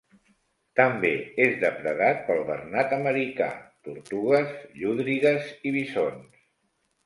També és depredat pel bernat americà, tortugues, llúdrigues i visons.